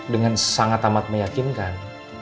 dengan sangat amat meyakinkan